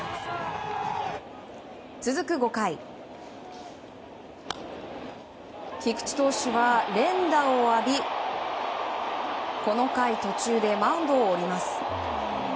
続く５回、菊池投手は連打を浴びこの回途中でマウンドを降ります。